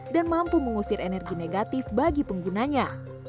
dan mampu mengusir energi negatif bagi penggunanya